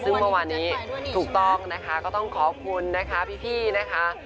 ซึ่งเมื่อวานี้ถูกต้องนะคะก็ต้องขอบคุณนะคะพี่นะคะ